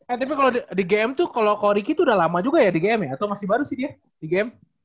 eh tapi kalau di gm tuh kalau koriki tuh udah lama juga ya di gm ya atau masih baru sih dia di gm